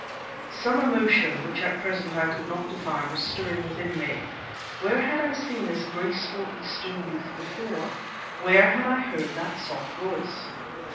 Some emotion, which at present I could not define, was stirring within me. Where had I seen this graceful Eastern youth before? Where had I heard that soft voice?